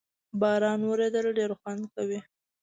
باران ورېدل ډېر خوند کوي